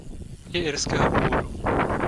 Je irského původu.